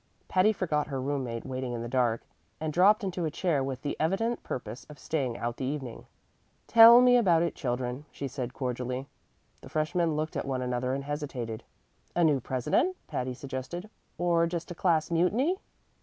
Patty forgot her room mate waiting in the dark, and dropped into a chair with the evident purpose of staying out the evening. "Tell me all about it, children," she said cordially. The freshmen looked at one another and hesitated. "A new president?" Patty suggested, "or just a class mutiny?"